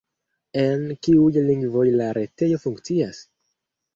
En kiuj lingvoj la retejo funkcias?